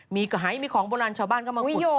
มีไขมีของโบราณชาวบ้านก็มาอีโยก